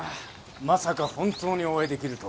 まさか本当にお会いできるとは。